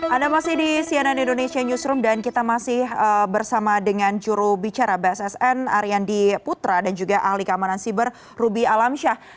anda masih di cnn indonesia newsroom dan kita masih bersama dengan jurubicara bssn ariandi putra dan juga ahli keamanan siber ruby alamsyah